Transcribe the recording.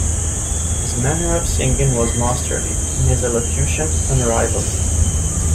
His manner of singing was masterly and his elocution unrivalled.